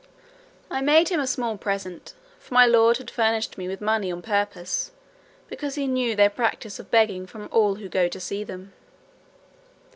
I made him a small present, for my lord had furnished me with money on purpose, because he knew their practice of begging from all who go to see them.